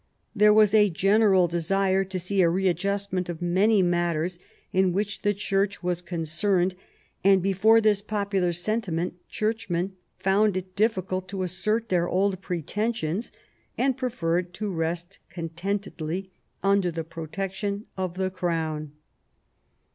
There was a general desire to see a re adjustment of many matters in which the Church was concerned; and before this popular sentiment churchmen found it difficult to assert their old pretensions, and preferred to rest contentedly under the protection of the Crown.